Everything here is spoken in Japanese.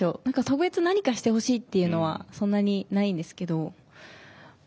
特別何かしてほしいっていうのはそんなにないんですけど。